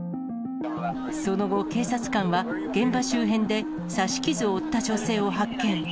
その後、警察官は、現場周辺で刺し傷を負った女性を発見。